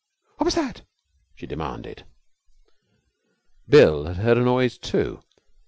'What was that?' she demanded. Bill had heard a noise too.